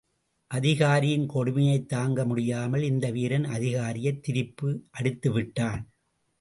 அதிகாரியின் கொடுமையைத் தாங்க முடியாமல் இந்த வீரன் அதிகாரியைத் திருப்பி அடித்து விட்டான்.